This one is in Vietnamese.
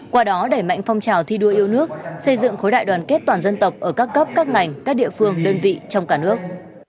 qua đó đẩy mạnh phong trào thi đua yêu nước xây dựng khối đại đoàn kết toàn dân tộc ở các cấp các ngành các địa phương đơn vị trong cả nước